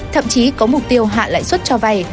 thậm chí có mục tiêu hạ lại suất cho vây